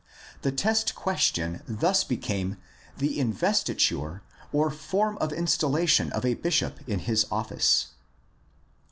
The test question thus became the investiture or form of installation of a bishop in his ofhce.